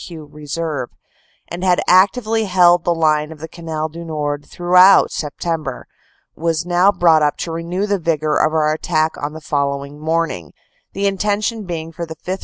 Q. Reserve, and had actively held the line of the Canal du Nord through out September, was now brought up to renew the vigor of our attack on the following morning, the intention being for the 5th.